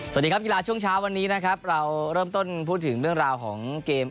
สวัสดีครับกีฬาช่วงเช้าวันนี้นะครับเราเริ่มต้นพูดถึงเรื่องราวของเกม